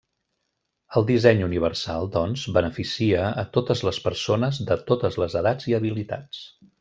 El disseny universal, doncs, beneficia a totes les persones de totes les edats i habilitats.